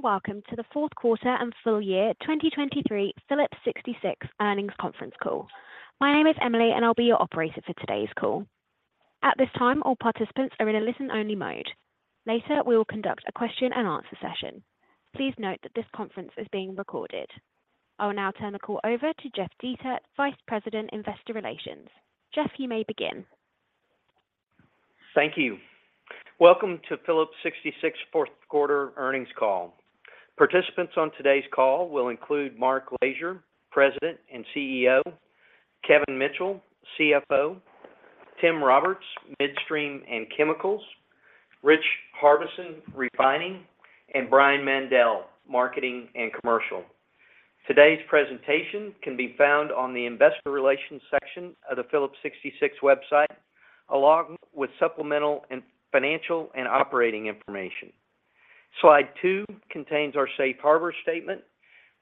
Hello, and welcome to the Fourth Quarter and Full Year 2023 Phillips 66 Earnings Conference Call. My name is Emily, and I'll be your operator for today's call. At this time, all participants are in a listen-only mode. Later, we will conduct a question-and-answer session. Please note that this conference is being recorded. I will now turn the call over to Jeff Dietert, Vice President, Investor Relations. Jeff, you may begin. Thank you. Welcome to Phillips 66 Fourth Quarter Earnings Call. Participants on today's call will include Mark Lashier, President and CEO, Kevin Mitchell, CFO, Tim Roberts, Midstream and Chemicals, Rich Harbison, Refining, and Brian Mandell, Marketing and Commercial. Today's presentation can be found on the investor relations section of the Phillips 66 website, along with supplemental and financial and operating information. Slide 2 contains our safe harbor statement.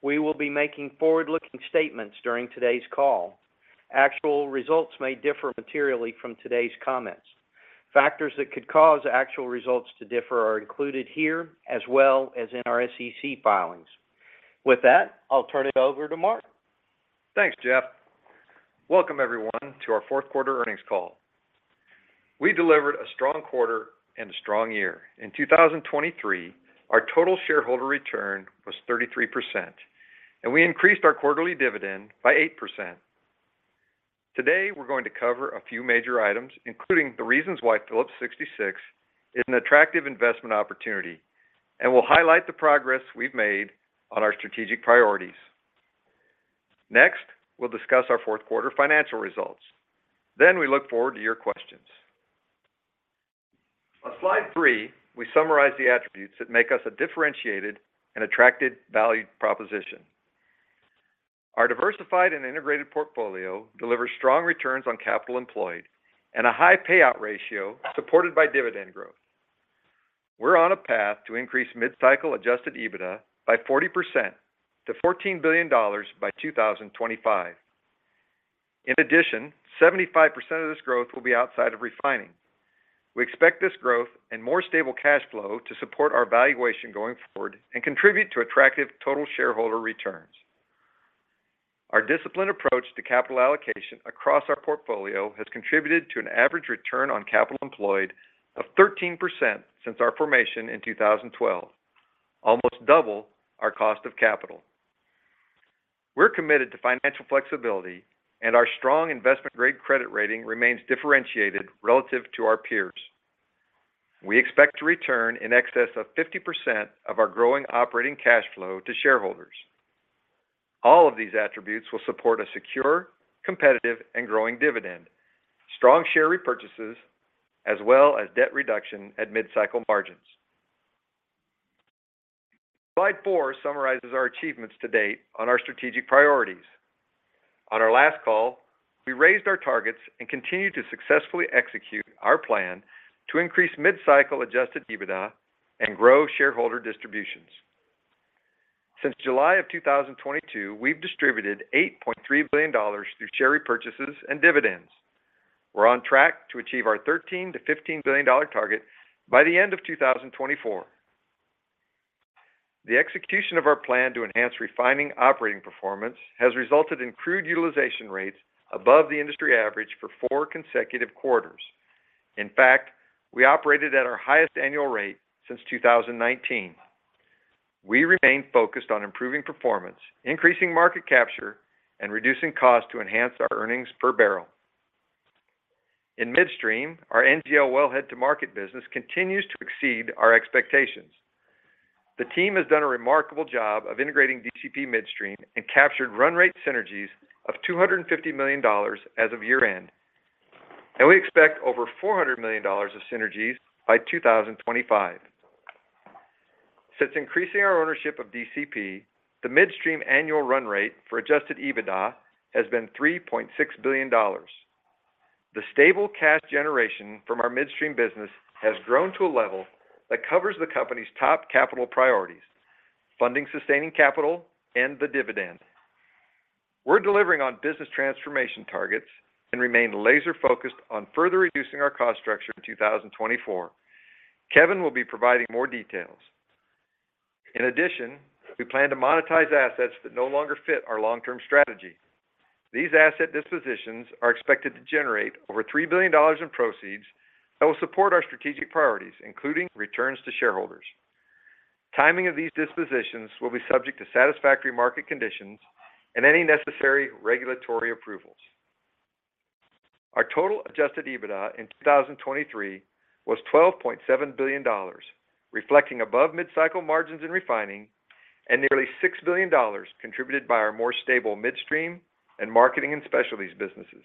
We will be making forward-looking statements during today's call. Actual results may differ materially from today's comments. Factors that could cause actual results to differ are included here, as well as in our SEC filings. With that, I'll turn it over to Mark. Thanks, Jeff. Welcome, everyone, to our fourth-quarter earnings call. We delivered a strong quarter and a strong year. In 2023, our total shareholder return was 33%, and we increased our quarterly dividend by 8%. Today, we're going to cover a few major items, including the reasons why Phillips 66 is an attractive investment opportunity, and we'll highlight the progress we've made on our strategic priorities. Next, we'll discuss our fourth quarter financial results. Then we look forward to your questions. On slide three, we summarize the attributes that make us a differentiated and attractive value proposition. Our diversified and integrated portfolio delivers strong returns on capital employed and a high payout ratio supported by dividend growth. We're on a path to increase Mid-Cycle adjusted EBITDA by 40% to $14 billion by 2025. In addition, 75% of this growth will be outside of refining. We expect this growth and more stable cash flow to support our valuation going forward and contribute to attractive total shareholder returns. Our disciplined approach to capital allocation across our portfolio has contributed to an average return on capital employed of 13% since our formation in 2012, almost double our cost of capital. We're committed to financial flexibility, and our strong investment-grade credit rating remains differentiated relative to our peers. We expect to return in excess of 50% of our growing operating cash flow to shareholders. All of these attributes will support a secure, competitive, and growing dividend, strong share repurchases, as well as debt reduction at Mid-Cycle margins. Slide 4 summarizes our achievements to date on our strategic priorities. On our last call, we raised our targets and continued to successfully execute our plan to increase Mid-Cycle Adjusted EBITDA and grow shareholder distributions. Since July of 2022, we've distributed $8.3 billion through share repurchases and dividends. We're on track to achieve our $13 billion–$15 billion target by the end of 2024. The execution of our plan to enhance refining operating performance has resulted in crude utilization rates above the industry average for 4 consecutive quarters. In fact, we operated at our highest annual rate since 2019. We remain focused on improving performance, increasing market capture, and reducing costs to enhance our earnings per barrel. In Midstream, our NGL Wellhead to Market business continues to exceed our expectations. The team has done a remarkable job of integrating DCP Midstream and captured run rate synergies of $250 million as of year-end, and we expect over $400 million of synergies by 2025. Since increasing our ownership of DCP, the midstream annual run rate for Adjusted EBITDA has been $3.6 billion. The stable cash generation from our midstream business has grown to a level that covers the company's top capital priorities, funding sustaining capital, and the dividend. We're delivering on business transformation targets and remain laser-focused on further reducing our cost structure in 2024. Kevin will be providing more details. In addition, we plan to monetize assets that no longer fit our long-term strategy. These asset dispositions are expected to generate over $3 billion in proceeds that will support our strategic priorities, including returns to shareholders. Timing of these dispositions will be subject to satisfactory market conditions and any necessary regulatory approvals. Our total adjusted EBITDA in 2023 was $12.7 billion, reflecting above Mid-Cycle margins in refining and nearly $6 billion contributed by our more stable midstream and marketing and specialties businesses.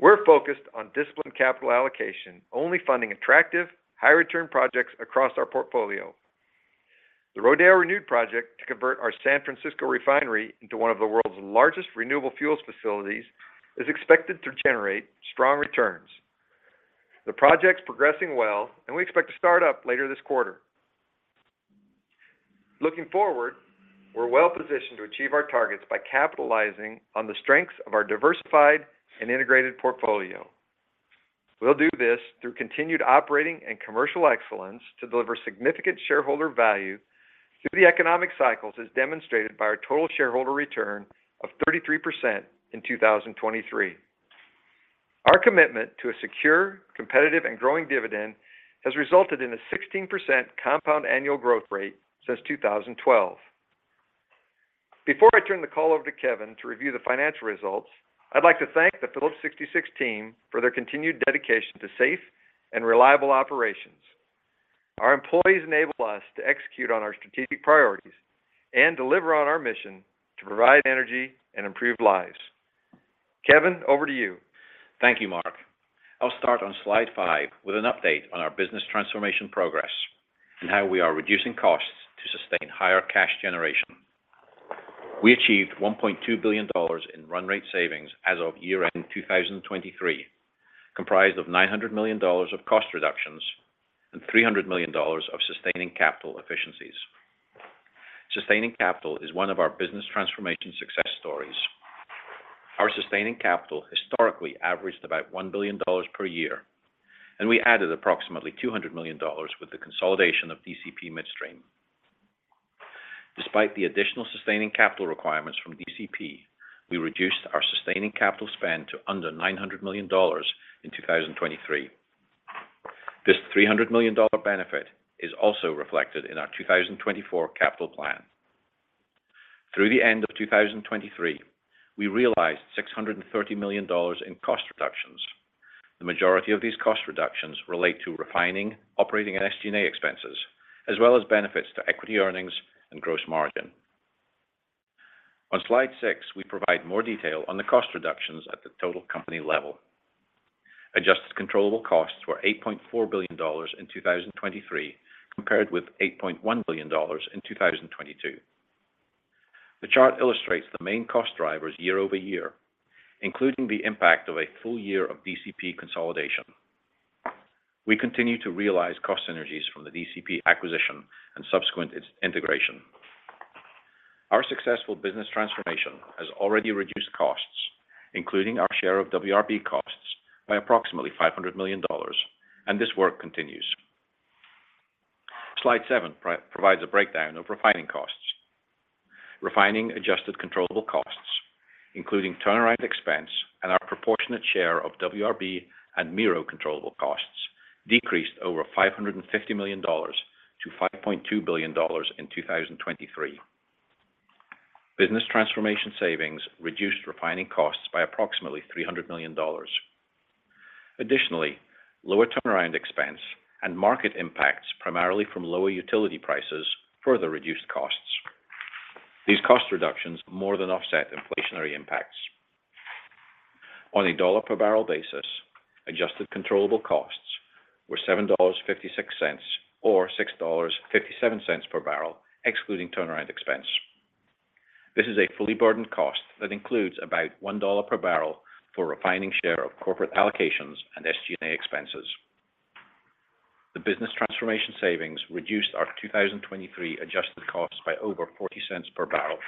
We're focused on disciplined capital allocation, only funding attractive, high-return projects across our portfolio. The Rodeo Renewed Project to convert our San Francisco Refinery into one of the world's largest renewable fuels facilities, is expected to generate strong returns. The project's progressing well, and we expect to start up later this quarter. Looking forward, we're well-positioned to achieve our targets by capitalizing on the strengths of our diversified and integrated portfolio.... We'll do this through continued operating and commercial excellence to deliver significant shareholder value through the economic cycles, as demonstrated by our total shareholder return of 33% in 2023. Our commitment to a secure, competitive, and growing dividend has resulted in a 16% compound annual growth rate since 2012. Before I turn the call over to Kevin to review the financial results, I'd like to thank the Phillips 66 team for their continued dedication to safe and reliable operations. Our employees enable us to execute on our strategic priorities and deliver on our mission to provide energy and improve lives. Kevin, over to you. Thank you, Mark. I'll start on slide 5 with an update on our business transformation progress and how we are reducing costs to sustain higher cash generation. We achieved $1.2 billion in run rate savings as of year-end 2023, comprised of $900 million of cost reductions and $3 million of sustaining capital efficiencies. Sustaining capital is one of our business transformation success stories. Our sustaining capital historically averaged about $1 billion per year, and we added approximately $200 million with the consolidation of DCP Midstream. Despite the additional sustaining capital requirements from DCP, we reduced our sustaining capital spend to under $900 million in 2023. This $300 million benefit is also reflected in our 2024 capital plan. Through the end of 2023, we realized $630 million in cost reductions. The majority of these cost reductions relate to refining, operating, and SG&A expenses, as well as benefits to equity earnings and gross margin. On slide six, we provide more detail on the cost reductions at the total company level. Adjusted controllable costs were $8.4 billion in 2023, compared with $8.1 billion in 2022. The chart illustrates the main cost drivers year-over-year, including the impact of a full year of DCP consolidation. We continue to realize cost synergies from the DCP acquisition and subsequent its integration. Our successful business transformation has already reduced costs, including our share of WRB costs, by approximately $500 million, and this work continues. Slide seven provides a breakdown of refining costs. Refining adjusted controllable costs, including turnaround expense and our proportionate share of WRB and MiRO controllable costs, decreased over $550 million to $5.2 billion in 2023. Business transformation savings reduced refining costs by approximately $300 million. Additionally, lower turnaround expense and market impacts, primarily from lower utility prices, further reduced costs. These cost reductions more than offset inflationary impacts. On a dollar-per-barrel basis, adjusted controllable costs were $7.56 or $6.57 per barrel, excluding turnaround expense. This is a fully burdened cost that includes about $1 per barrel for refining share of corporate allocations and SG&A expenses. The business transformation savings reduced our 2023 adjusted costs by over $0.40 per barrel.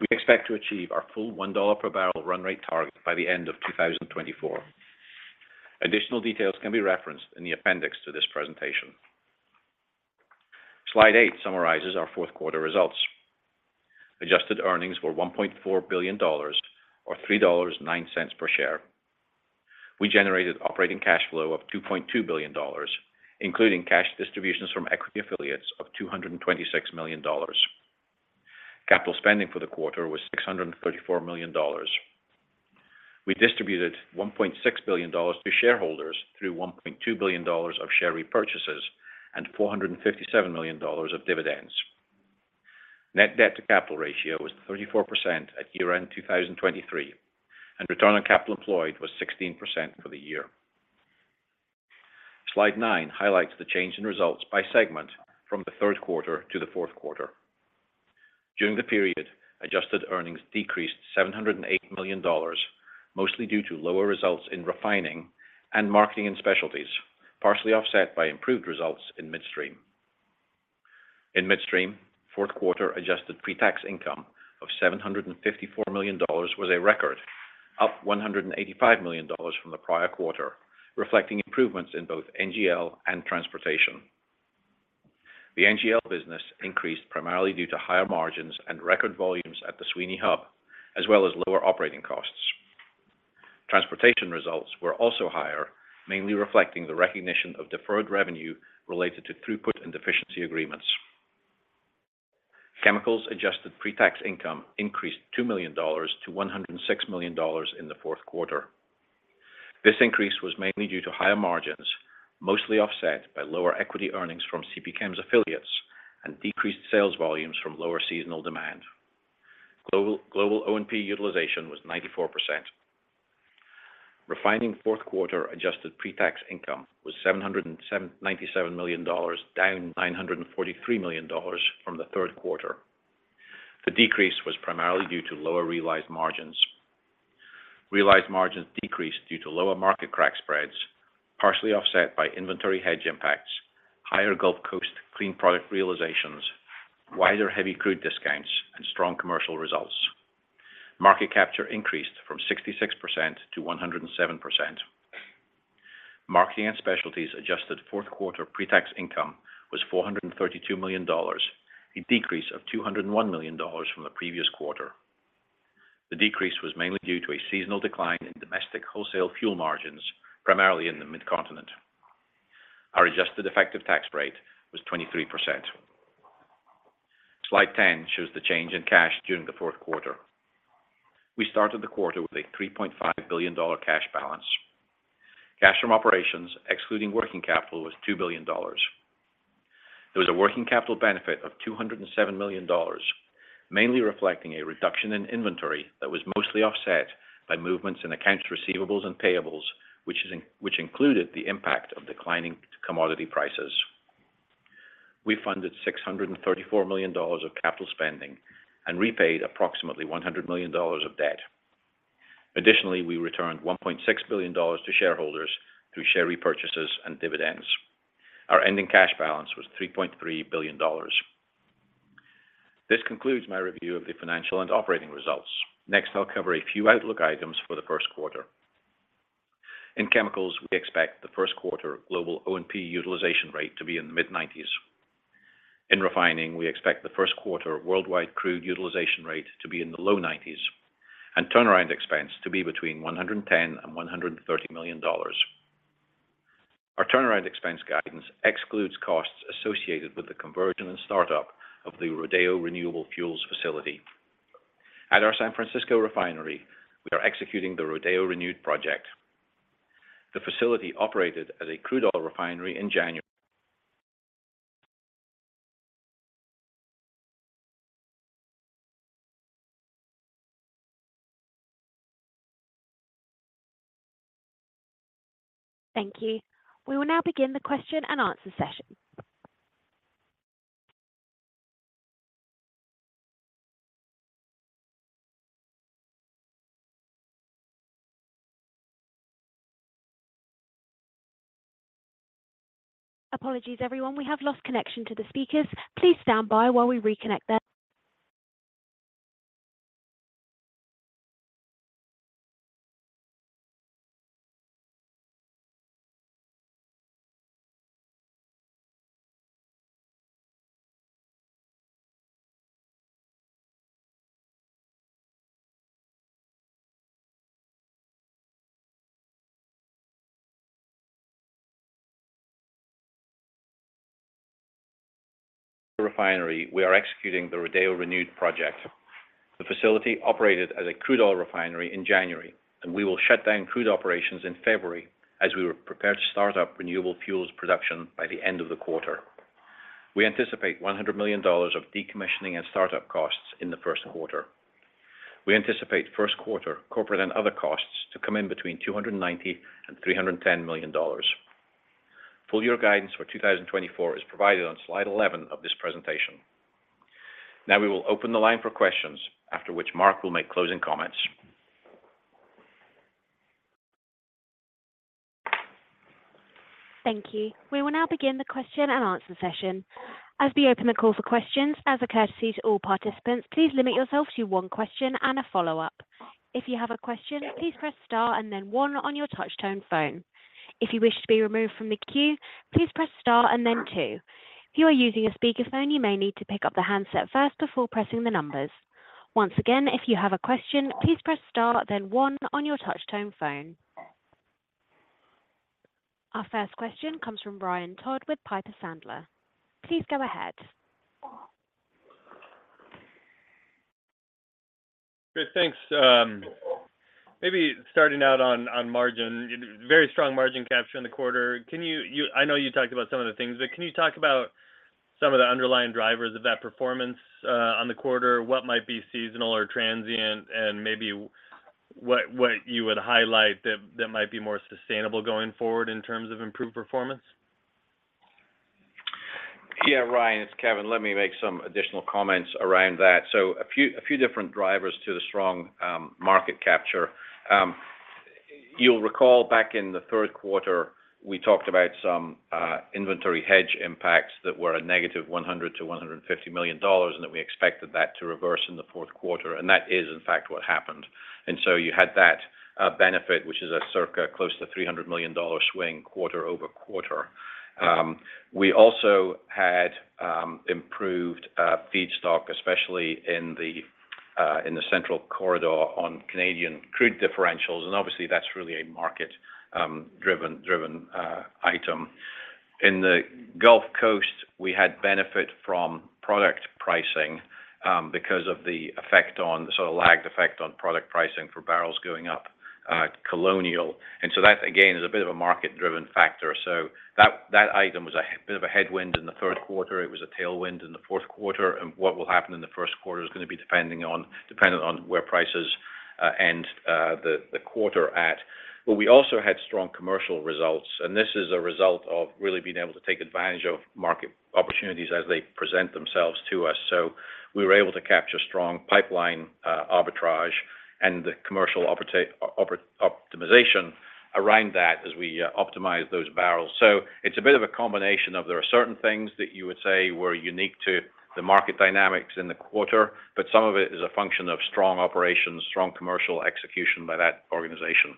We expect to achieve our full $1 per barrel run rate target by the end of 2024. Additional details can be referenced in the appendix to this presentation. Slide 8 summarizes our fourth quarter results. Adjusted earnings were $1.4 billion, or $3.09 per share. We generated operating cash flow of $2.2 billion, including cash distributions from equity affiliates of $226 million. Capital spending for the quarter was $634 million. We distributed $1.6 billion to shareholders through $1.2 billion of share repurchases and $457 million of dividends. Net debt to capital ratio was 34% at year-end 2023, and return on capital employed was 16% for the year. Slide 9 highlights the change in results by segment from the third quarter to the fourth quarter. During the period, adjusted earnings decreased $708 million, mostly due to lower results in refining, marketing, and specialties, partially offset by improved results in Midstream. In Midstream, fourth quarter adjusted pre-tax income of $754 million was a record, up $185 million from the prior quarter, reflecting improvements in both NGL and transportation. The NGL business increased primarily due to higher margins and record volumes at the Sweeny Hub, as well as lower operating costs. Transportation results were also higher, mainly reflecting the recognition of deferred revenue related to throughput and deficiency agreements. Chemicals adjusted pre-tax income increased $2 million to $106 million in the fourth quarter. This increase was mainly due to higher margins, mostly offset by lower equity earnings from CPChem's affiliates and decreased sales volumes from lower seasonal demand. Global O&P utilization was 94%. Refining fourth-quarter adjusted pre-tax income was $797 million, down $943 million from the third quarter. The decrease was primarily due to lower realized margins. Realized margins decreased due to lower market crack spreads, partially offset by inventory hedge impacts, higher Gulf Coast clean product realizations, wider heavy crude discounts, and strong commercial results. Market capture increased from 66%–107%. Marketing and Specialties adjusted fourth quarter pre-tax income was $432 million, a decrease of $201 million from the previous quarter. The decrease was mainly due to a seasonal decline in domestic wholesale fuel margins, primarily in the Mid-Continent. Our adjusted effective tax rate was 23%. Slide 10 shows the change in cash during the fourth quarter. We started the quarter with a $3.5 billion cash balance. Cash from operations, excluding working capital, was $2 billion. There was a working capital benefit of $207 million, mainly reflecting a reduction in inventory that was mostly offset by movements in accounts receivable and payables, which included the impact of declining commodity prices. We funded $634 million of capital spending and repaid approximately $100 million of debt. Additionally, we returned $1.6 billion to shareholders through share repurchases and dividends. Our ending cash balance was $3.3 billion. This concludes my review of the financial and operating results. Next, I'll cover a few outlook items for the first quarter. In chemicals, we expect the first quarter global O&P utilization rate to be in the mid-90s. In refining, we expect the first quarter worldwide crude utilization rate to be in the low 90s, and turnaround expense to be between $110 million and $130 million. Our turnaround expense guidance excludes costs associated with the conversion and startup of the Rodeo Renewed renewable fuels facility. At our San Francisco refinery, we are executing the Rodeo Renewed Project. The facility operated as a crude oil refinery in January. Thank you. We will now begin the question and answer session. Apologies, everyone, we have lost connection to the speakers. Please stand by while we reconnect them. Refinery, we are executing the Rodeo Renewed Project. The facility operated as a crude oil refinery in January, and we will shut down crude operations in February as we were prepared to start up renewable fuels production by the end of the quarter. We anticipate $100 million of decommissioning and startup costs in the first quarter. We anticipate first quarter corporate and other costs to come in between $290 million and $310 million. Full-year guidance for 2024 is provided on slide 11 of this presentation. Now we will open the line for questions, after which Mark will make closing comments. Thank you. We will now begin the question and answer session. As we open the call for questions, as a courtesy to all participants, please limit yourself to one question and a follow-up. If you have a question, please press star and then one on your touch tone phone. If you wish to be removed from the queue, please press star and then two. If you are using a speakerphone, you may need to pick up the handset first before pressing the numbers. Once again, if you have a question, please press star, then one on your touch tone phone. Our first question comes from Ryan Todd with Piper Sandler. Please go ahead. Great, thanks. Maybe starting out on margin, very strong margin capture in the quarter. Can you—I know you talked about some of the things, but can you talk about some of the underlying drivers of that performance on the quarter? What might be seasonal or transient, and maybe what you would highlight that might be more sustainable going forward in terms of improved performance? Yeah, Ryan, it's Kevin. Let me make some additional comments around that. So a few different drivers to the strong market capture. You'll recall back in the third quarter, we talked about some inventory hedge impacts that were a negative $100–$150 million, and that we expected that to reverse in the fourth quarter, and that is, in fact, what happened. And so you had that benefit, which is a circa close to $300 million swing quarter over quarter. We also had improved feedstock, especially in the Central Corridor on Canadian crude differentials, and obviously, that's really a market driven item. In the Gulf Coast, we had benefit from product pricing, because of the sort of lagged effect on product pricing for barrels going up, Colonial. And so that, again, is a bit of a market-driven factor. So that, that item was a bit of a headwind in the third quarter. It was a tailwind in the fourth quarter, and what will happen in the first quarter is gonna be dependent on where prices end the quarter at. But we also had strong commercial results, and this is a result of really being able to take advantage of market opportunities as they present themselves to us. So we were able to capture strong pipeline arbitrage and commercial optimization around that as we optimize those barrels. It's a bit of a combination of there are certain things that you would say were unique to the market dynamics in the quarter, but some of it is a function of strong operations, strong commercial execution by that organization.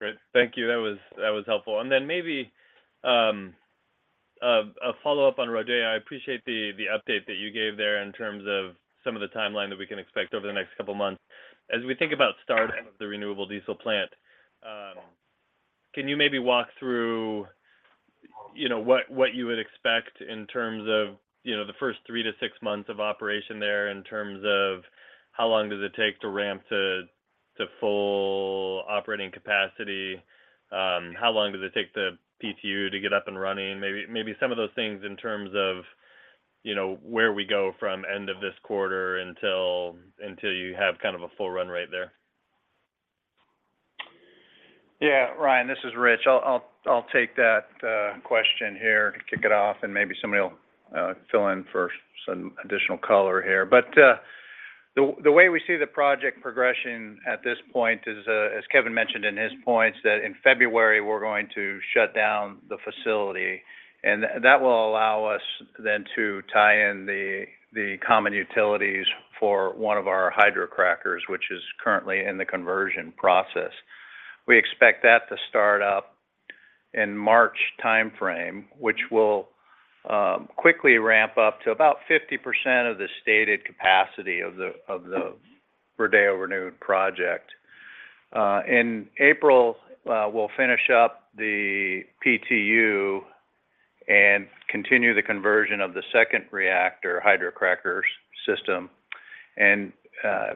Great. Thank you. That was, that was helpful. And then maybe, a follow-up on Rodeo. I appreciate the, the update that you gave there in terms of some of the timeline that we can expect over the next couple of months. As we think about starting the renewable diesel plant, can you maybe walk through, you know, what, what you would expect in terms of, you know, the first three to six months of operation there, in terms of how long does it take to ramp to, to full operating capacity? How long does it take the PTU to get up and running? Maybe, maybe some of those things in terms of, you know, where we go from end of this quarter until, until you have kind of a full run rate there. Yeah, Ryan, this is Rich. I'll take that question here and kick it off, and maybe somebody will fill in for some additional color here. But the way we see the project progression at this point is, as Kevin mentioned in his points, that in February, we're going to shut down the facility, and that will allow us then to tie in the common utilities for one of our hydrocrackers, which is currently in the conversion process. We expect that to start up in March timeframe, which will quickly ramp up to about 50% of the stated capacity of the Rodeo Renewed Project. In April, we'll finish up the PTU and continue the conversion of the second reactor hydrocrackers system and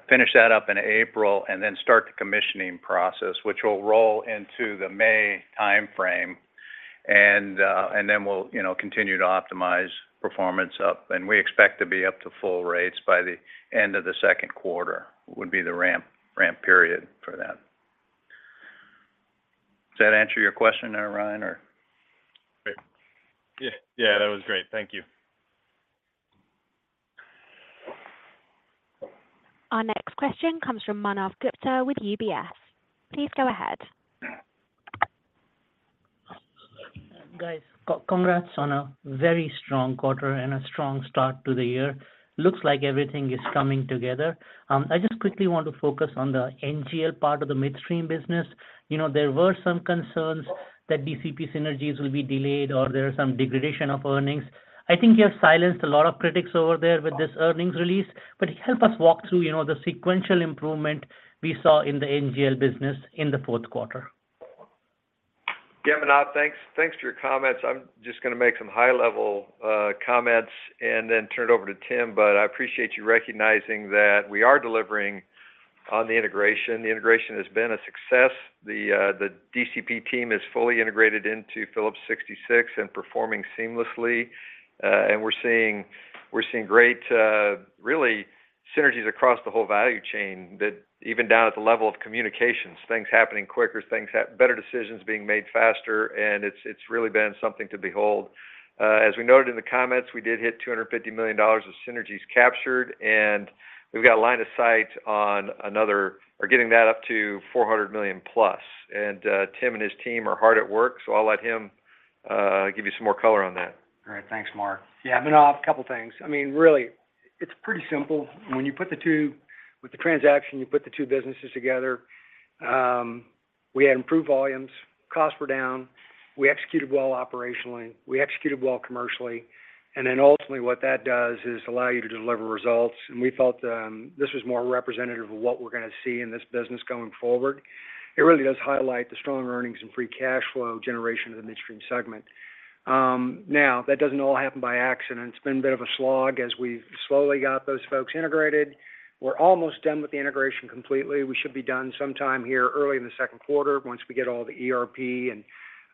finish that up in April and then start the commissioning process, which will roll into the May timeframe. And then we'll, you know, continue to optimize performance up. And we expect to be up to full rates by the end of the second quarter, would be the ramp, ramp period for that. Does that answer your question there, Ryan, or? Great. Yeah. Yeah, that was great. Thank you. Our next question comes from Manav Gupta with UBS. Please go ahead. Guys, congrats on a very strong quarter and a strong start to the year. I just quickly want to focus on the NGL part of the midstream business. You know, there were some concerns that DCP synergies will be delayed or there are some degradation of earnings. I think you have silenced a lot of critics over there with this earnings release, but help us walk through, you know, the sequential improvement we saw in the NGL business in the fourth quarter. Yeah, Manav, thanks. Thanks for your comments. I'm just going to make some high-level comments and then turn it over to Tim, but I appreciate you recognizing that we are delivering on the integration. The integration has been a success. The DCP team is fully integrated into Phillips 66 and performing seamlessly. And we're seeing, we're seeing great really synergies across the whole value chain that even down at the level of communications, things happening quicker, things have better decisions being made faster, and it's, it's really been something to behold. As we noted in the comments, we did hit $250 million of synergies captured, and we've got a line of sight on another or getting that up to $400 million+. Tim and his team are hard at work, so I'll let him give you some more color on that. All right. Thanks, Mark. Yeah, Manav, a couple of things. I mean, really, it's pretty simple. When you put the two businesses together with the transaction, we had improved volumes, costs were down, we executed well operationally, we executed well commercially, and then ultimately, what that does is allow you to deliver results, and we felt this was more representative of what we're going to see in this business going forward. It really does highlight the strong earnings and free cash flow generation of the midstream segment. Now, that doesn't all happen by accident. It's been a bit of a slog as we've slowly got those folks integrated. We're almost done with the integration completely. We should be done sometime here early in the second quarter, once we get all the ERP and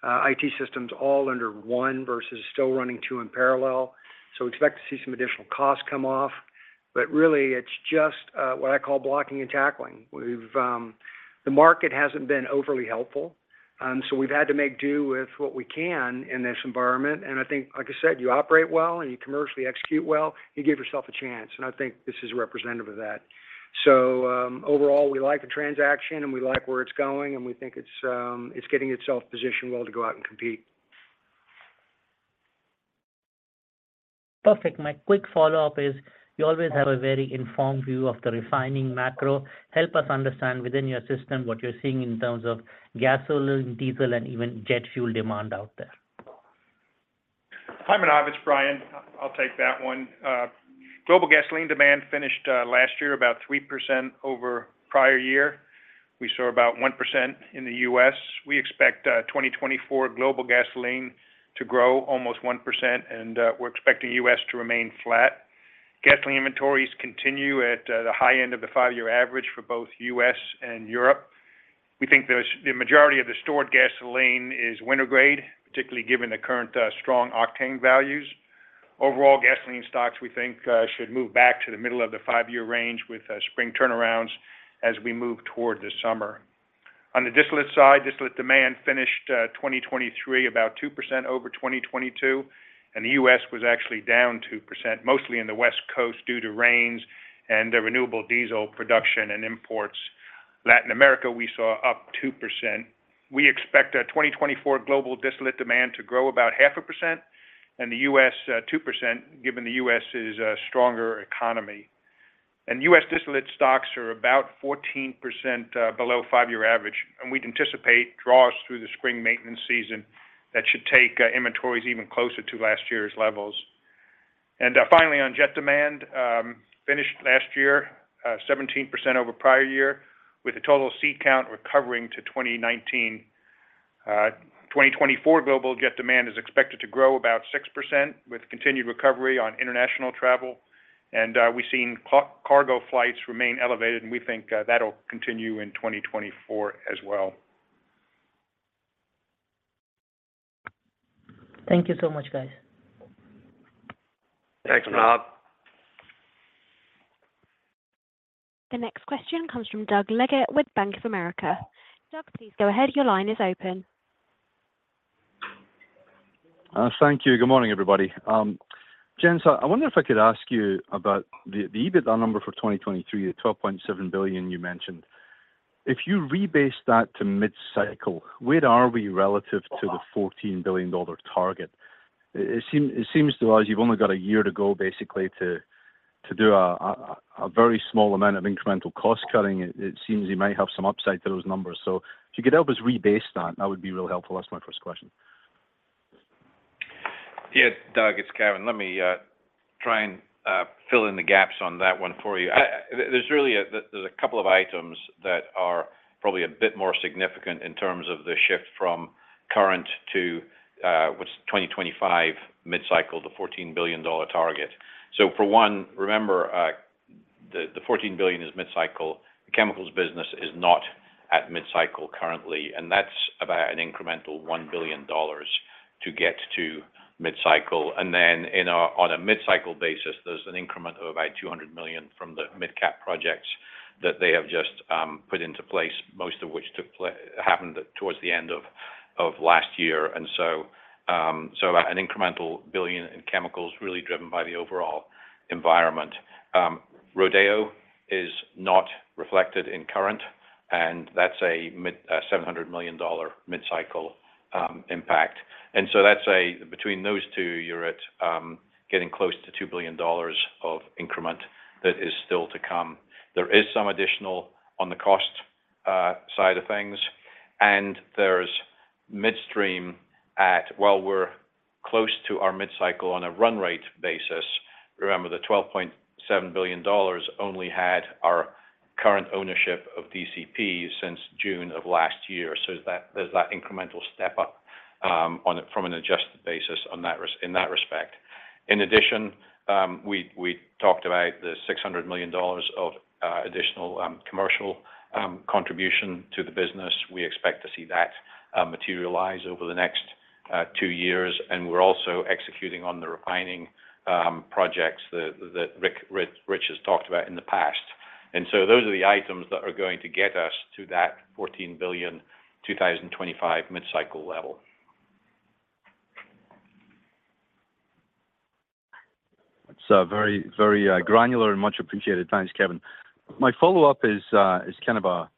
IT systems all under one versus still running two in parallel. So we expect to see some additional costs come off, but really, it's just what I call blocking and tackling. The market hasn't been overly helpful, so we've had to make do with what we can in this environment. And I think, like I said, you operate well and you commercially execute well, you give yourself a chance, and I think this is representative of that. So, overall, we like the transaction and we like where it's going, and we think it's, it's getting itself positioned well to go out and compete. Perfect. My quick follow-up is, you always have a very informed view of the refining macro. Help us understand within your system what you're seeing in terms of gasoline, diesel, and even jet fuel demand out there? Hi, Manav, it's Brian. I'll take that one. Global gasoline demand finished last year about 3% over prior year. We saw about 1% in the U.S. We expect 2024 global gasoline to grow almost 1%, and we're expecting U.S. to remain flat. Gasoline inventories continue at the high end of the five-year average for both U.S. and Europe. We think the majority of the stored gasoline is winter-grade, particularly given the current strong octane values. Overall, gasoline stocks, we think, should move back to the middle of the five-year range with spring turnarounds as we move toward the summer. ...On the distillate side, distillate demand finished 2023 about 2% over 2022, and the U.S. was actually down 2%, mostly in the West Coast due to rains and the renewable diesel production and imports. Latin America, we saw up 2%. We expect a 2024 global distillate demand to grow about 0.5%, and the U.S., 2%, given the U.S.'s stronger economy. And U.S. distillate stocks are about 14% below five-year average, and we'd anticipate draws through the spring maintenance season that should take inventories even closer to last year's levels. And, finally, on jet demand, finished last year 17% over prior year, with a total seat count recovering to 2019. 2024 global jet demand is expected to grow about 6%, with continued recovery on international travel. We've seen cargo flights remain elevated, and we think that'll continue in 2024 as well. Thank you so much, guys. Thanks. The next question comes from Doug Leggate with Bank of America. Doug, please go ahead. Your line is open. Thank you. Good morning, everybody. Gents, I wonder if I could ask you about the EBITDA number for 2023, the $12.7 billion you mentioned. If you rebase that to Mid-Cycle, where are we relative to the $14 billion target? It seems to us you've only got a year to go, basically, to do a very small amount of incremental cost cutting. It seems you might have some upside to those numbers. So if you could help us rebase that, that would be really helpful. That's my first question. Yeah, Doug, it's Kevin. Let me try and fill in the gaps on that one for you. There's really a couple of items that are probably a bit more significant in terms of the shift from current to what's 2025 Mid-Cycle, the $14 billion target. So for one, remember the $14 billion is Mid-Cycle. The chemicals business is not at Mid-Cycle currently, and that's about an incremental $1 billion to get to Mid-Cycle. And then on a Mid-Cycle basis, there's an increment of about $200 million from the mid-cap projects that they have just put into place, most of which happened towards the end of last year. And so an incremental $1 billion in chemicals, really driven by the overall environment. Rodeo is not reflected in current, and that's a mid seven hundred million dollar Mid-Cycle impact. And so that's a... Between those two, you're at getting close to $2 billion of increment that is still to come. There is some additional on the cost side of things, and there's midstream at-- while we're close to our Mid-Cycle on a run rate basis, remember, the $12.7 billion only had our current ownership of DCP since June of last year. So that-- there's that incremental step up on a from an adjusted basis on that res-- in that respect. In addition, we talked about the $600 million of additional commercial contribution to the business. We expect to see that materialize over the next two years, and we're also executing on the refining projects that Rich has talked about in the past. And so those are the items that are going to get us to that $14 billion 2025 Mid-Cycle level. It's very, very granular and much appreciated. Thanks, Kevin. My follow-up is kind of a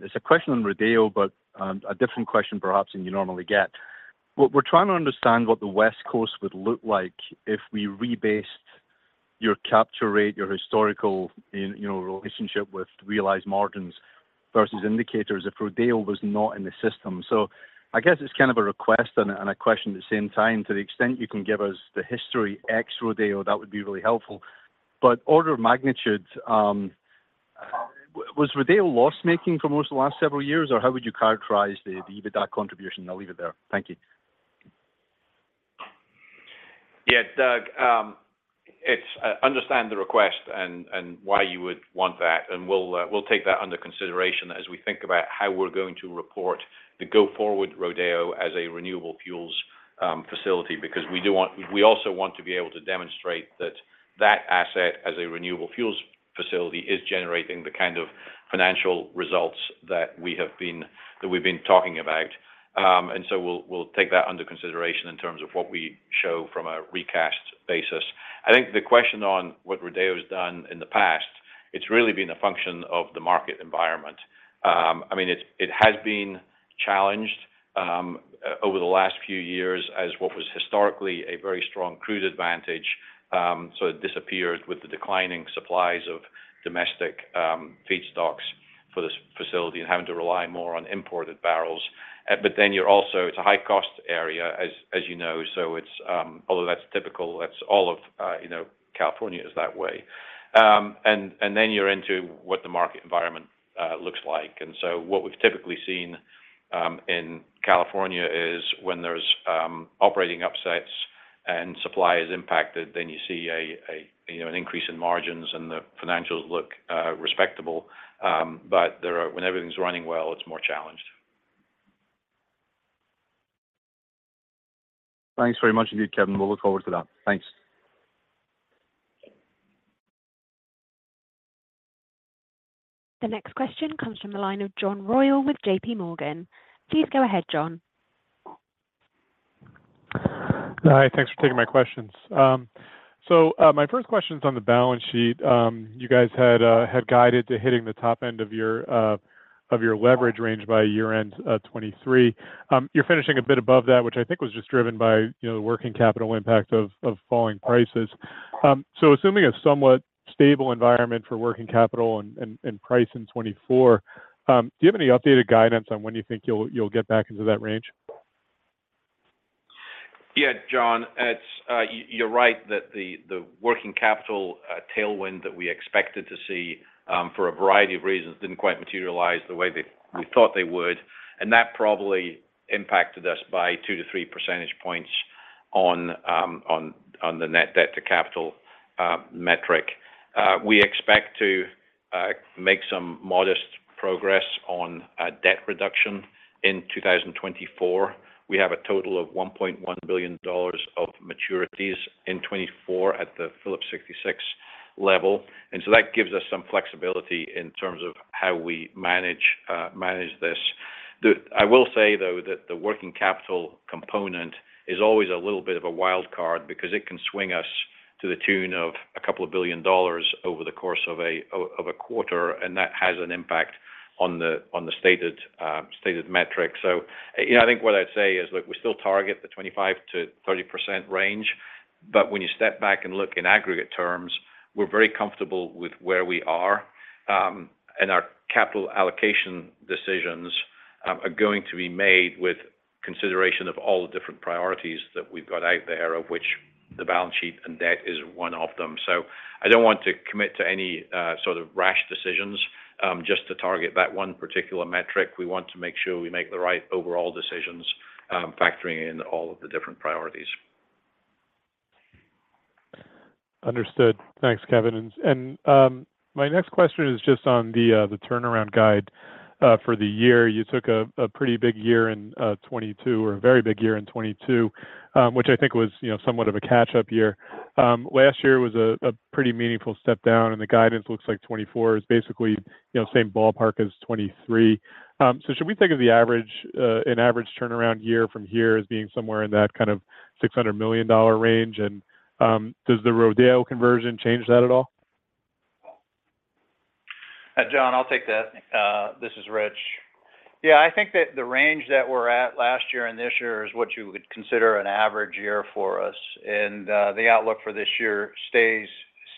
it's a question on Rodeo, but a different question perhaps than you normally get. What we're trying to understand the West Coast would look like if we rebased your capture rate, your historical, you know, relationship with realized margins versus indicators if Rodeo was not in the system. So I guess it's kind of a request and a question at the same time. To the extent you can give us the history ex-Rodeo, that would be really helpful. But order of magnitude, was Rodeo loss-making for most of the last several years, or how would you characterize the EBITDA contribution? I'll leave it there. Thank you. Yeah, Doug, I understand the request and why you would want that, and we'll take that under consideration as we think about how we're going to report the go-forward Rodeo as a renewable fuels facility, because we do want - we also want to be able to demonstrate that that asset as a renewable fuels facility is generating the kind of financial results that we have been - that we've been talking about. So we'll take that under consideration in terms of what we show from a recast basis. I think the question on what Rodeo has done in the past, it's really been a function of the market environment. I mean, it's, it has been challenged over the last few years as what was historically a very strong crude advantage, so it disappeared with the declining supplies of domestic feedstocks for this facility and having to rely more on imported barrels. But then you're also, it's a high-cost area, as, as you know, so it's, although that's typical, that's all of, you know, California is that way. And, and then you're into what the market environment looks like. And so what we've typically seen in California is when there's operating upsets and supply is impacted, then you see a, a, you know, an increase in margins and the financials look respectable. But there are—when everything's running well, it's more challenged. Thanks very much indeed, Kevin. We'll look forward to that. Thanks. The next question comes from the line of John Royal with JPMorgan. Please go ahead, John. Hi, thanks for taking my questions. So, my first question is on the balance sheet. You guys had guided to hitting the top end of your leverage range by year-end 2023. You're finishing a bit above that, which I think was just driven by, you know, the working capital impact of falling prices. So assuming a somewhat stable environment for working capital and price in 2024, do you have any updated guidance on when you think you'll get back into that range? Yeah, John, it's, you're right that the working capital tailwind that we expected to see, for a variety of reasons, didn't quite materialize the way we thought they would, and that probably impacted us by 2-3 percentage points on the net debt to capital metric. We expect to make some modest progress on debt reduction in 2024. We have a total of $1.1 billion of maturities in 2024 at the Phillips 66 level, and so that gives us some flexibility in terms of how we manage this. I will say, though, that the working capital component is always a little bit of a wild card because it can swing us to the tune of $2 billion over the course of a quarter, and that has an impact on the stated metrics. So, you know, I think what I'd say is, look, we still target the 25%–30% range, but when you step back and look in aggregate terms, we're very comfortable with where we are. And our capital allocation decisions are going to be made with consideration of all the different priorities that we've got out there, of which the balance sheet and debt is one of them. So I don't want to commit to any sort of rash decisions just to target that one particular metric. We want to make sure we make the right overall decisions, factoring in all of the different priorities. Understood. Thanks, Kevin. My next question is just on the turnaround guide for the year. You took a pretty big year in 2022, or a very big year in 2022, which I think was, you know, somewhat of a catch-up year. Last year was a pretty meaningful step down, and the guidance looks like 2024 is basically, you know, same ballpark as 2023. So should we think of the average, an average turnaround year from here as being somewhere in that kind of $600 million range? And does the Rodeo conversion change that at all? John, I'll take that. This is Rich. Yeah, I think that the range that we're at last year and this year is what you would consider an average year for us, and the outlook for this year stays,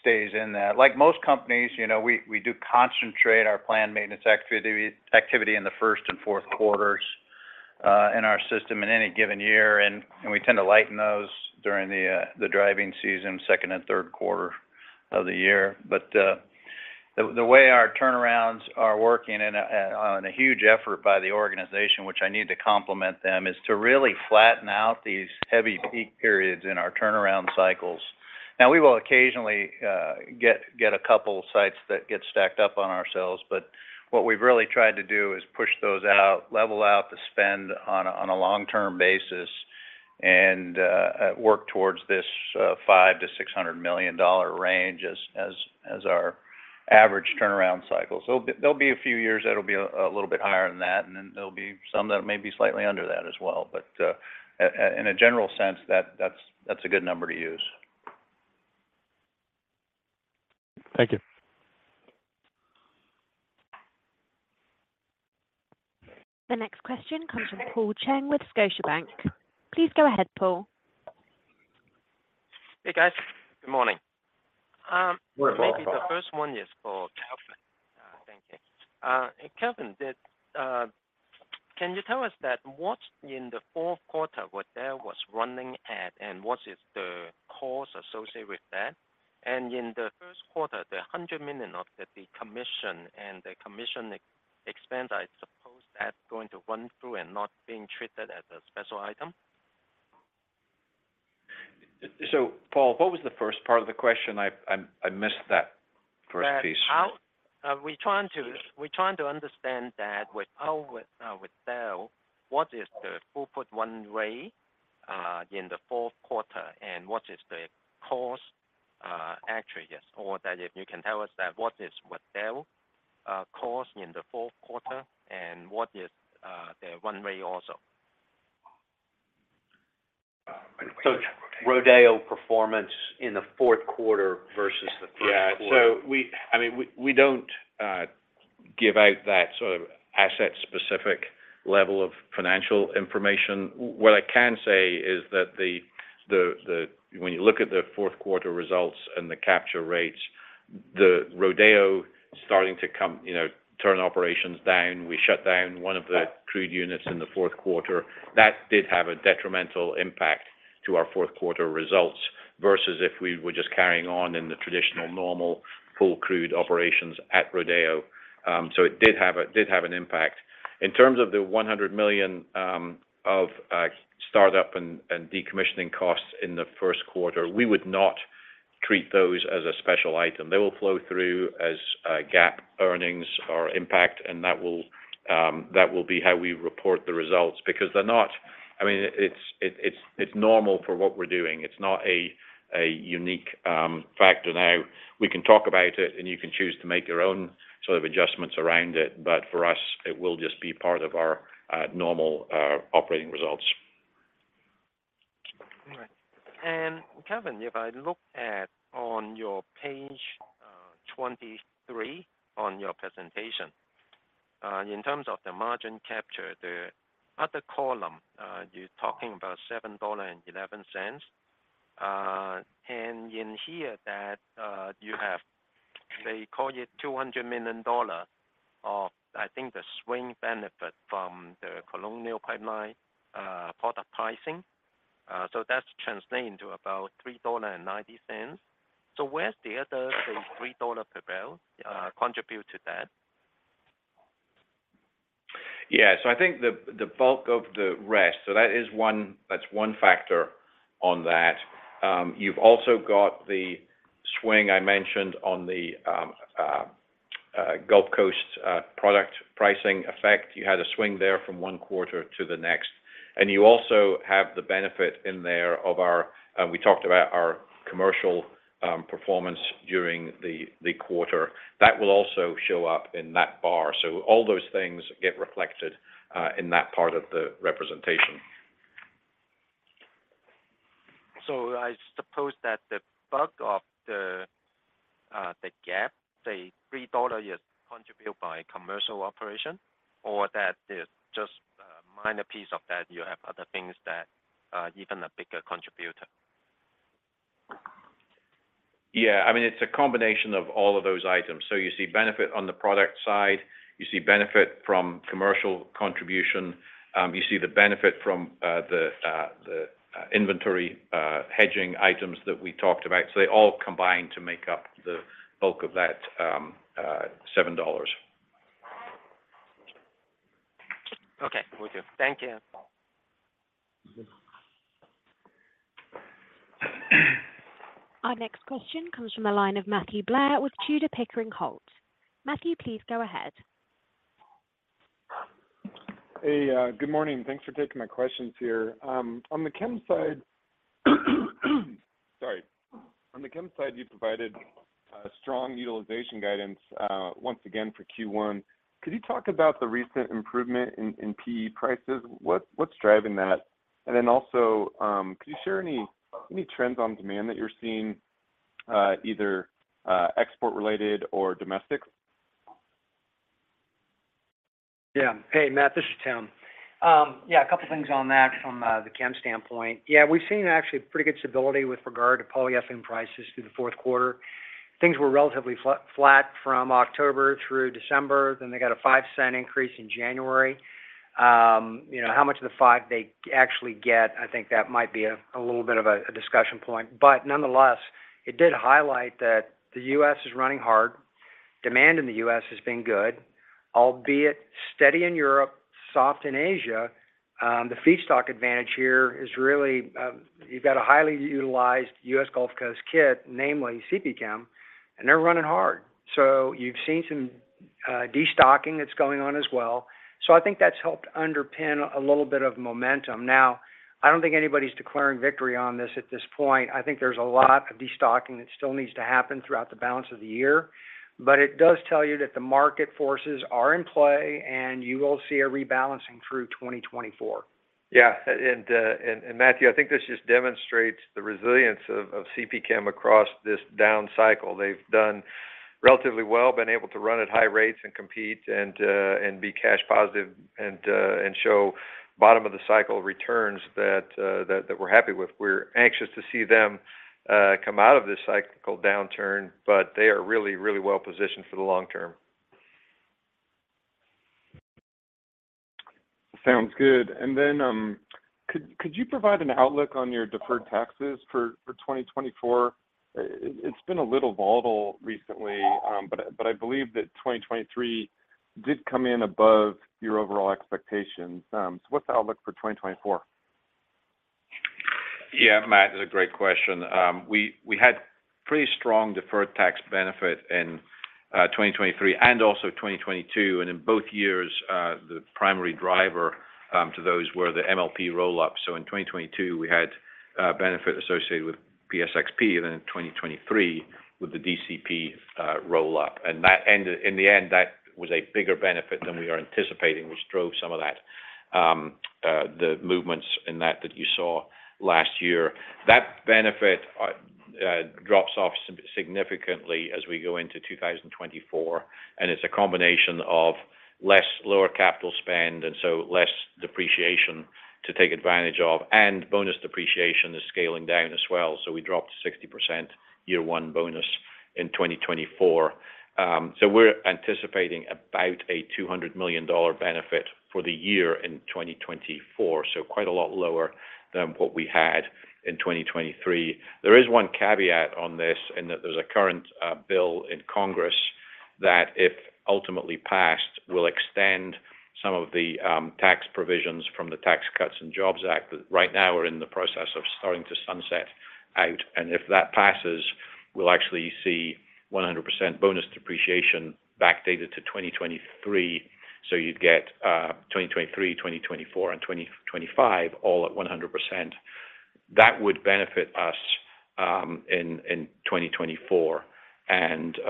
stays in that. Like most companies, you know, we do concentrate our planned maintenance activity in the first and fourth quarters in our system in any given year, and we tend to lighten those during the driving season, second and third quarter of the year. But the way our turnarounds are working and on a huge effort by the organization, which I need to compliment them, is to really flatten out these heavy peak periods in our turnaround cycles. Now, we will occasionally get a couple of sites that get stacked up on ourselves, but what we've really tried to do is push those out, level out the spend on a long-term basis, and work towards this $500 million–$600 million range as our average turnaround cycle. So there'll be a few years that'll be a little bit higher than that, and then there'll be some that may be slightly under that as well. But in a general sense, that's a good number to use. Thank you. The next question comes from Paul Cheng with Scotiabank. Please go ahead, Paul. Hey, guys. Good morning. Good morning, Paul. Maybe the first one is for Kevin. Thank you. Kevin, Can you tell us that what in the fourth quarter what there was running at, and what is the cause associated with that? And in the first quarter, the $100 million of the commission and the commission ex-expense, I suppose that's going to run through and not being treated as a special item? Paul, what was the first part of the question? I missed that first piece. We're trying to understand that with our DCP, what is the full throughput in the fourth quarter, and what is the cost? Actually, yes, or that if you can tell us that, what is with DCP cost in the fourth quarter, and what is the throughput also? Rodeo performance in the fourth quarter versus the first quarter. Yeah. So I mean, we don't give out that sort of asset-specific level of financial information. What I can say is that when you look at the fourth quarter results and the capture rates, the Rodeo starting to come, you know, turn operations down. We shut down one of the crude units in the fourth quarter. That did have a detrimental impact to our fourth quarter results, versus if we were just carrying on in the traditional, normal, full crude operations at Rodeo. So it did have an impact. In terms of the $100 million of startup and decommissioning costs in the first quarter, we would not treat those as a special item. They will flow through as GAAP earnings or impact, and that will be how we report the results. Because they're not—I mean, it's normal for what we're doing. It's not a unique factor. Now, we can talk about it, and you can choose to make your own sort of adjustments around it, but for us, it will just be part of our normal operating results. All right. And Kevin, if I look at on your page, 23 on your presentation, in terms of the margin capture, the other column, you're talking about $7.11. And in here that, you have, they call it $200 million of, I think, the swing benefit from the Colonial Pipeline, product pricing. So that's translating to about $3.90. So where's the other say, $3 per barrel, contribute to that? Yeah. So I think the bulk of the rest, so that is one—that's one factor on that. You've also got the swing I mentioned on the Gulf Coast product pricing effect. You had a swing there from one quarter to the next, and you also have the benefit in there of our, we talked about our commercial performance during the quarter. That will also show up in that bar. So all those things get reflected in that part of the representation. So I suppose that the bulk of the, the gap, the $3 is contributed by commercial operation, or that is just a minor piece of that, you have other things that, even a bigger contributor? Yeah, I mean, it's a combination of all of those items. So you see benefit on the product side, you see benefit from commercial contribution. You see the benefit from the inventory hedging items that we talked about. So they all combine to make up the bulk of that $7. Okay, will do. Thank you. Our next question comes from the line of Matthew Blair with Tudor, Pickering, Holt. Matthew, please go ahead. Hey, good morning. Thanks for taking my questions here. On the chem side, sorry. On the chem side, you provided strong utilization guidance once again for Q1. Could you talk about the recent improvement in PE prices? What's driving that? And then also, could you share any trends on demand that you're seeing either export-related or domestic? Yeah. Hey, Matt, this is Tim. Yeah, a couple of things on that from the chem standpoint. Yeah, we've seen actually pretty good stability with regard to polyolefin prices through the fourth quarter. Things were relatively flat from October through December, then they got a 5-cent increase in January. You know, how much of the five they actually get? I think that might be a little bit of a discussion point, but nonetheless, it did highlight that the U.S. is running hard. Demand in the U.S. has been good, albeit steady in Europe, soft in Asia. The feedstock advantage here is really you've got a highly utilized U.S. Gulf Coast kit, namely CPChem, and they're running hard. So you've seen some destocking that's going on as well. So I think that's helped underpin a little bit of momentum. Now, I don't think anybody's declaring victory on this at this point. I think there's a lot of destocking that still needs to happen throughout the balance of the year, but it does tell you that the market forces are in play, and you will see a rebalancing through 2024. Yeah. And Matthew, I think this just demonstrates the resilience of CPChem across this down cycle. They've done relatively well, been able to run at high rates and compete, and be cash positive, and show bottom of the cycle returns that we're happy with. We're anxious to see them come out of this cyclical downturn, but they are really, really well-positioned for the long term. Sounds good. And then, could you provide an outlook on your deferred taxes for 2024? It's been a little volatile recently, but I believe that 2023 did come in above your overall expectations. So what's the outlook for 2024? Yeah, Matt, that's a great question. We had pretty strong deferred tax benefit in 2023 and also 2022, and in both years, the primary driver to those were the MLP roll-ups. So in 2022, we had a benefit associated with PSXP, and then in 2023 with the DCP roll-up. And in the end, that was a bigger benefit than we were anticipating, which drove some of that, the movements in that that you saw last year. That benefit drops off significantly as we go into 2024, and it's a combination of lower capital spend, and so less depreciation to take advantage of, and bonus depreciation is scaling down as well. So we dropped 60% year-one bonus in 2024. So we're anticipating about a $200 million benefit for the year in 2024. So quite a lot lower than what we had in 2023. There is one caveat on this, and that there's a current bill in Congress-... that if ultimately passed, will extend some of the tax provisions from the Tax Cuts and Jobs Act. But right now, we're in the process of starting to sunset out, and if that passes, we'll actually see 100% bonus depreciation backdated to 2023. So you'd get 2023, 2024, and 2025, all at 100%. That would benefit us in 2024, and to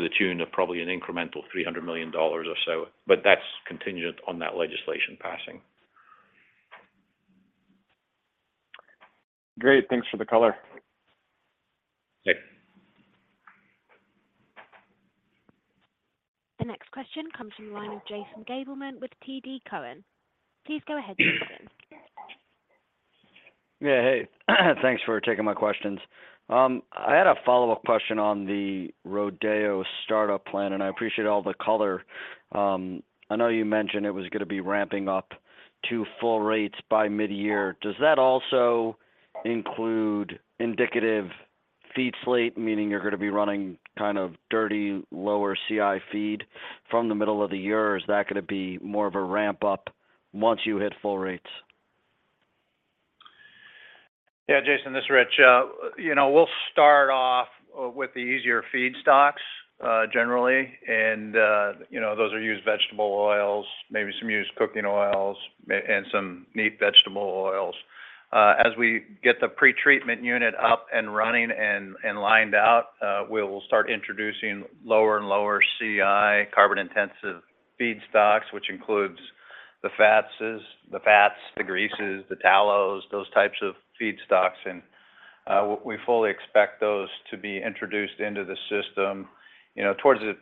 the tune of probably an incremental $300 million or so, but that's contingent on that legislation passing. Great. Thanks for the color. Okay. The next question comes from the line of Jason Gabelman with TD Cowen. Please go ahead, Jason. Yeah, hey, thanks for taking my questions. I had a follow-up question on the Rodeo startup plan, and I appreciate all the color. I know you mentioned it was gonna be ramping up to full rates by midyear. Does that also include indicative feed slate, meaning you're gonna be running kind of dirty, lower CI feed from the middle of the year? Or is that gonna be more of a ramp-up once you hit full rates? Yeah, Jason, this is Rich. You know, we'll start off with the easier feedstocks, generally, and, you know, those are used vegetable oils, maybe some used cooking oils, and some neat vegetable oils. As we get the pretreatment unit up and running and lined out, we'll start introducing lower and lower CI, carbon-intensive feedstocks, which includes the fats, the greases, the tallows, those types of feedstocks. And we fully expect those to be introduced into the system, you know, towards the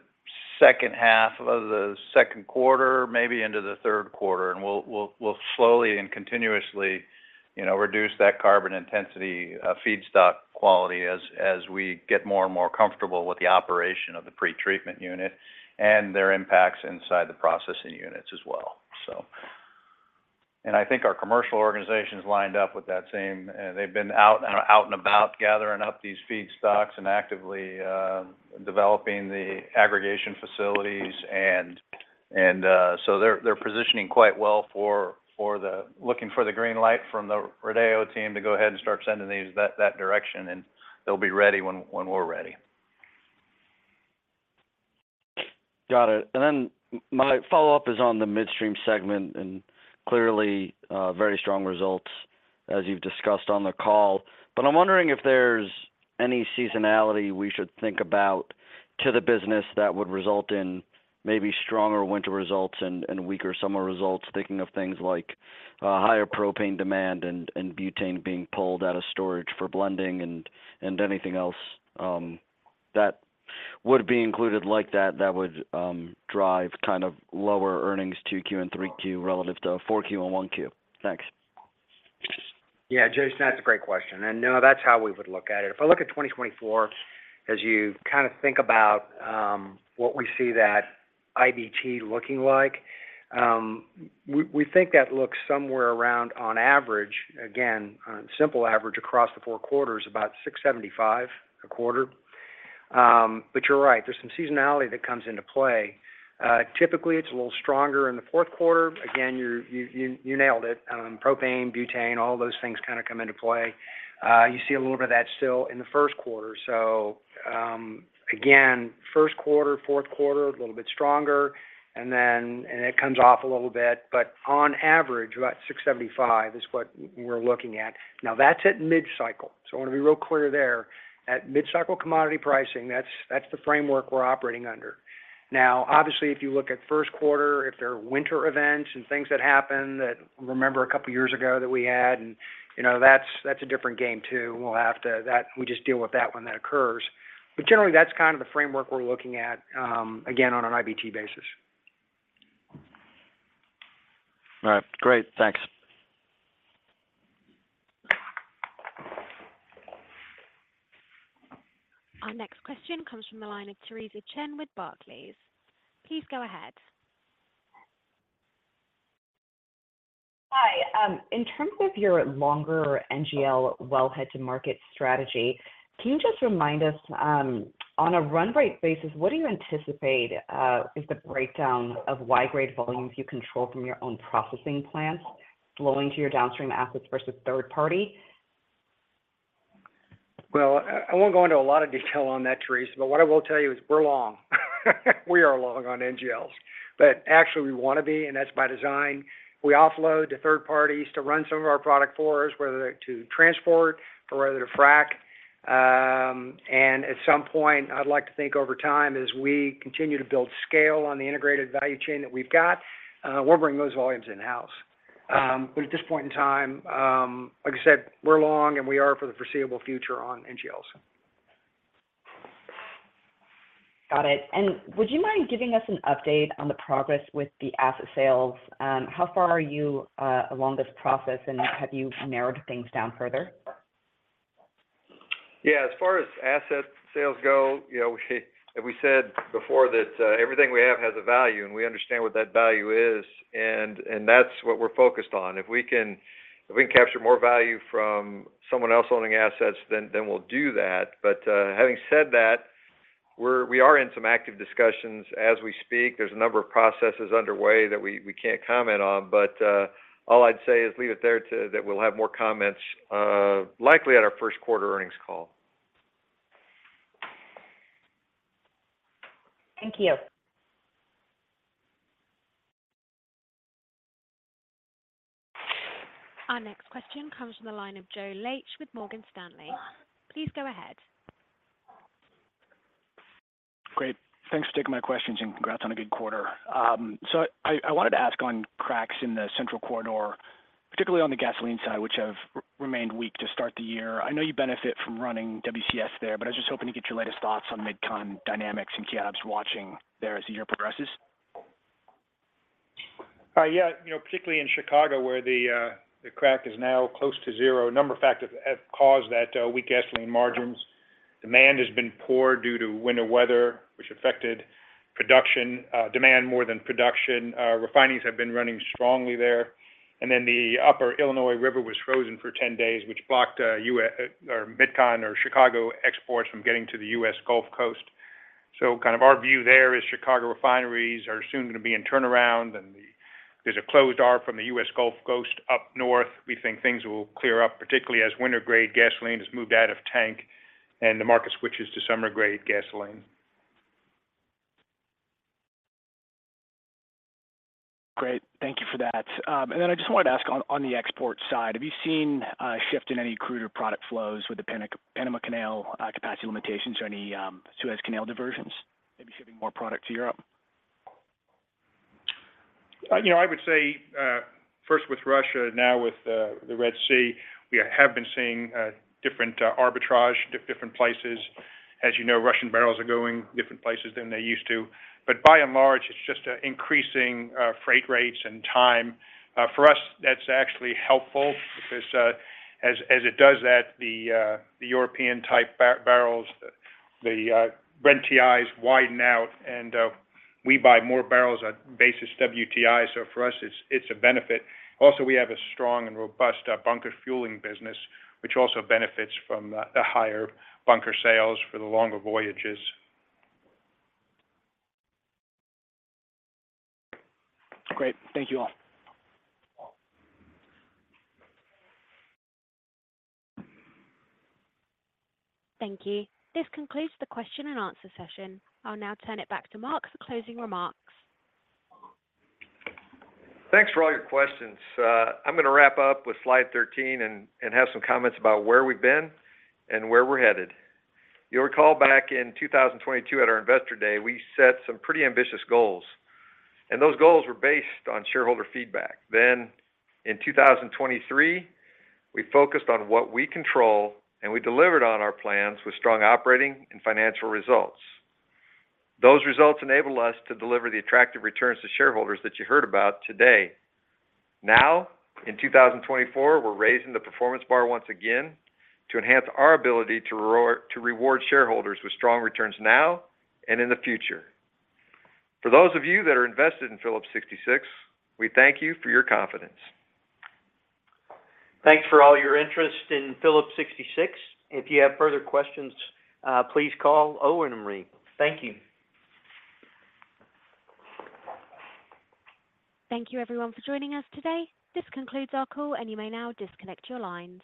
second half of the second quarter, maybe into the third quarter. And we'll slowly and continuously, you know, reduce that carbon intensity, feedstock quality as we get more and more comfortable with the operation of the pretreatment unit and their impacts inside the processing units as well, so. I think our commercial organization is lined up with that same. They've been out and about gathering up these feedstocks and actively developing the aggregation facilities. So they're positioning quite well for the-looking for the green light from the Rodeo team to go ahead and start sending these that direction, and they'll be ready when we're ready. Got it. Then my follow-up is on the midstream segment, and clearly, very strong results as you've discussed on the call. But I'm wondering if there's any seasonality we should think about to the business that would result in maybe stronger winter results and weaker summer results, thinking of things like higher propane demand and butane being pulled out of storage for blending and anything else that would drive kind of lower earnings to Q1 and Q3 relative to Q4 and Q1. Thanks. Yeah, Jason, that's a great question. And no, that's how we would look at it. If I look at 2024, as you kind of think about what we see that IBT looking like, we think that looks somewhere around, on average, again, a simple average across the four quarters, about $675 a quarter. But you're right, there's some seasonality that comes into play. Typically, it's a little stronger in the fourth quarter. Again, you nailed it. Propane, butane, all those things kind of come into play. You see a little bit of that still in the first quarter. So, again, first quarter, fourth quarter, a little bit stronger, and then it comes off a little bit. But on average, about $675 is what we're looking at. Now, that's at Mid-Cycle, so I want to be real clear there. At Mid-Cycle commodity pricing, that's, that's the framework we're operating under. Now, obviously, if you look at first quarter, if there are winter events and things that—remember a couple of years ago that we had, and, you know, that's, that's a different game, too. We'll have to. That. We just deal with that when that occurs. But generally, that's kind of the framework we're looking at, again, on an IBT basis. All right. Great. Thanks. Our next question comes from the line of Teresa Chen with Barclays. Please go ahead. Hi. In terms of your longer NGL wellhead to market strategy, can you just remind us, on a run rate basis, what do you anticipate is the breakdown of Y-grade volumes you control from your own processing plants flowing to your downstream assets versus third party? Well, I won't go into a lot of detail on that, Teresa, but what I will tell you is we're long. We are long on NGLs, but actually we want to be, and that's by design. We offload to third parties to run some of our product for us, whether to transport or whether to frack. At some point, I'd like to think over time, as we continue to build scale on the integrated value chain that we've got, we'll bring those volumes in-house. At this point in time, like I said, we're long, and we are for the foreseeable future on NGLs. Got it. And would you mind giving us an update on the progress with the asset sales? How far are you along this process, and have you narrowed things down further? Yeah, as far as asset sales go, you know, we said before that everything we have has a value, and we understand what that value is, and that's what we're focused on. If we can capture more value from someone else owning assets, then we'll do that. But having said that...... We're in some active discussions as we speak. There's a number of processes underway that we can't comment on, but all I'd say is leave it there, that we'll have more comments likely at our first quarter earnings call. Thank you. Our next question comes from the line of Joe Laetsch with Morgan Stanley. Please go ahead. Great. Thanks for taking my questions, and congrats on a good quarter. So I wanted to ask on cracks in the Central Corridor, particularly on the gasoline side, which have remained weak to start the year. I know you benefit from running WCS there, but I was just hoping to get your latest thoughts on MidCon dynamics and key obs watching there as the year progresses. Yeah, you know, particularly in Chicago, where the crack is now close to zero. A number of factors have caused that weak gasoline margins. Demand has been poor due to winter weather, which affected production, demand more than production. Refineries have been running strongly there. And then the upper Illinois River was frozen for 10 days, which blocked U.S.- or MidCon- or Chicago exports from getting to the U.S. Gulf Coast. So kind of our view there is Chicago refineries are soon going to be in turnaround, and there's a closed arb from the U.S. Gulf Coast up north. We think things will clear up, particularly as winter-grade gasoline is moved out of tank and the market switches to summer-grade gasoline. Great. Thank you for that. And then I just wanted to ask on, on the export side, have you seen a shift in any crude or product flows with the Panama Canal capacity limitations or any Suez Canal diversions, maybe shipping more product to Europe? You know, I would say, first with Russia, now with the, the Red Sea, we have been seeing, different, arbitrage, different places. As you know, Russian barrels are going different places than they used to. But by and large, it's just, increasing, freight rates and time. For us, that's actually helpful because, as, as it does that, the, the European-type barrels, the, Brent-WTI widen out, and, we buy more barrels at basis WTI. So for us, it's, it's a benefit. Also, we have a strong and robust, bunker fueling business, which also benefits from the, the higher bunker sales for the longer voyages. Great. Thank you all. Thank you. This concludes the question and answer session. I'll now turn it back to Mark for closing remarks. Thanks for all your questions. I'm going to wrap up with slide 13 and have some comments about where we've been and where we're headed. You'll recall back in 2022 at our Investor Day, we set some pretty ambitious goals, and those goals were based on shareholder feedback. Then in 2023, we focused on what we control, and we delivered on our plans with strong operating and financial results. Those results enabled us to deliver the attractive returns to shareholders that you heard about today. Now, in 2024, we're raising the performance bar once again to enhance our ability to reward shareholders with strong returns now and in the future. For those of you that are invested in Phillips 66, we thank you for your confidence. Thanks for all your interest in Phillips 66. If you have further questions, please call Owen and me. Thank you. Thank you, everyone, for joining us today. This concludes our call, and you may now disconnect your lines.